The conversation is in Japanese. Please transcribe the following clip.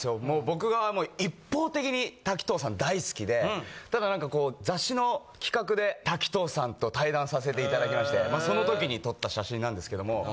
もう僕が一方的に滝藤さん大好きで、ただ、なんか雑誌の企画で滝藤さんと対談させていただきまして、そのときに撮った写真なんですけども。